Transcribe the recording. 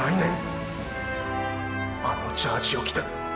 あのジャージを着て！！